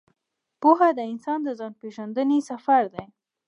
پوهه د انسان د ځان پېژندنې سفر دی.